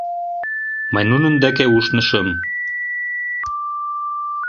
Мый нунын деке ушнышым.